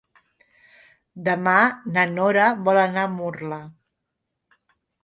Demà na Nora vol anar a Murla.